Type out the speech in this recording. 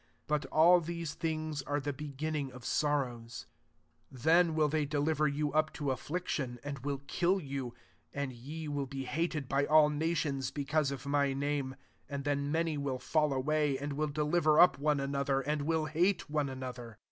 8 But all these things are the begin ning of sorrows. 9 Then will they deliver yoii up to affliction, and will kill you ; and ye will be hated by all nations because of my name. 10 And then many will fall away, and will deliver up one another, and will hate one another.